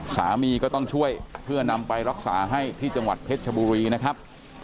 สามีก็ต้องช่วยเพื่อนำไปรักษาให้ที่จังหวัดเพชรชบุรีนะครับ